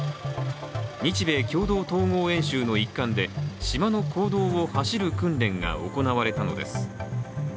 日米共同統合演習の一環で島の公道を走る訓練が行われたのです。